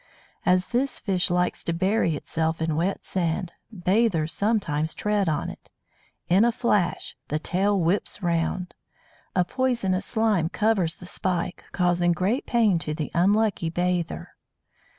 As this fish likes to bury itself in wet sand, bathers sometimes tread on it. In a flash the tail whips round! A poisonous slime covers the spike, causing great pain to the unlucky bather.